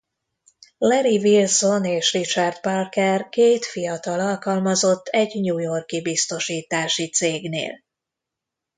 Larry Wilson és Richard Parker két fiatal alkalmazott egy new york-i biztosítási cégnél.